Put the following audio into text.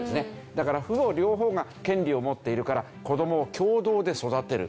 だから父母両方が権利を持っているから子どもを共同で育てる。